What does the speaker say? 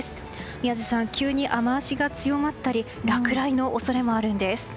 宮司さん、急に雨脚が強まったり落雷の恐れもあるんです。